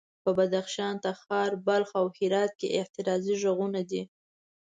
په بدخشان، تخار، بلخ او هرات کې اعتراضي غږونه دي.